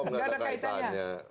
gak ada kaitannya